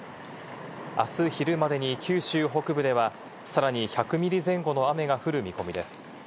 あす昼までに九州北部ではさらに１００ミリ前後の雨が降る見込みです。